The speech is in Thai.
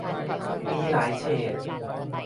มีหลายเฉด